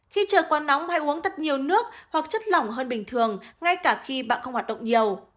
khi trời quá nóng hay uống thật nhiều nước hoặc chất lỏng hơn bình thường ngay cả khi bạn không hoạt động nhiều